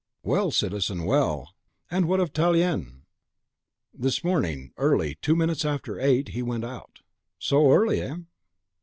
"Well, citizen, well! and what of Tallien?" "This morning, early, two minutes after eight, he went out." "So early? hem!"